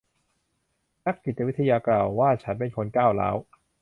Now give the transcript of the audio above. นักจิตวิทยากล่าวว่าฉันเป็นคนก้าวร้าว